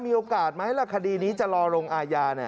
มีโอกาสมั้ยเล่าคดีจะรอลงอายา